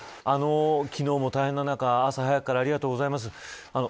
昨日も大変な中、朝早くからありがとうございます。